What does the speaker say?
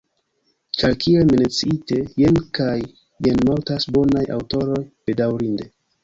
Ĉar, kiel menciite, jen kaj jen mortas bonaj aŭtoroj, bedaŭrinde.